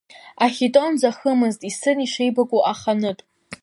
Ахитон ӡахымызт, исын ишеибаку аханытә.